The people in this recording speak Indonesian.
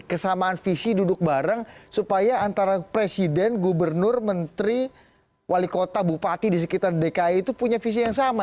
kesamaan visi duduk bareng supaya antara presiden gubernur menteri wali kota bupati di sekitar dki itu punya visi yang sama